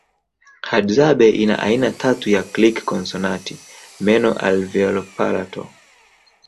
Hadzane ina aina tatu ya click konsonanti meno alveopalatal